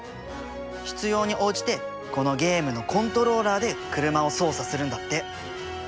必要に応じてこのゲームのコントローラーで車を操作するんだって。